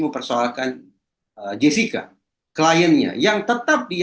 mempersoalkan jessica kliennya yang tetap dia